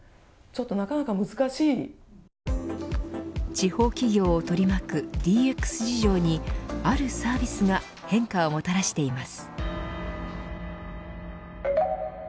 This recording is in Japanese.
地方企業を取り巻くＤＸ事情にあるサービスが変化をもたらしています。